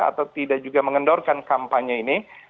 atau tidak juga mengendorkan kampanye ini